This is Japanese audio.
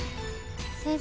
先生。